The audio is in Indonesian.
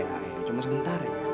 ah ya cuma sebentar ya